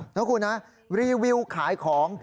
นะคุณนะรีวิวขายของ